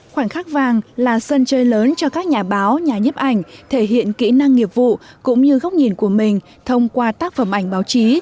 khoảnh khắc vàng là sân chơi lớn cho các nhà báo nhà nhấp ảnh thể hiện kỹ năng nghiệp vụ cũng như góc nhìn của mình thông qua tác phẩm ảnh báo chí